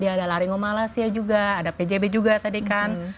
ada laringomalacia juga ada pjb juga tadi kan